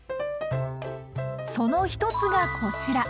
その一つがこちら。